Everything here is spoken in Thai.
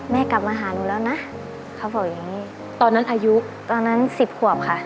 กลับมาหาหนูแล้วนะเขาบอกอย่างนี้ตอนนั้นอายุตอนนั้นสิบขวบค่ะ